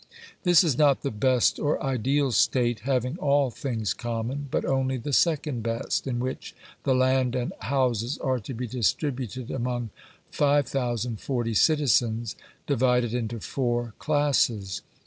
This is not the best or ideal state, having all things common, but only the second best, in which the land and houses are to be distributed among 5040 citizens divided into four classes.